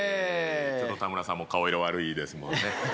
ちょっと田村さんも顔色悪いですもんね